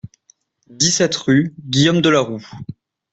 dix-sept rue Guillaume de la Roue